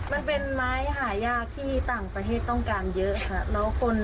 มันเป็นไม้หายากที่ต่างประเทศต้องการเยอะค่ะ